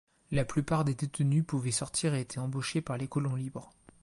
La plupart des détenus pouvaient sortir et étaient embauchés par les colons libres.